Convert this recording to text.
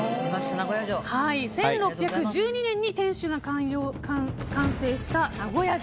１６１２年に天守が完成した名古屋城。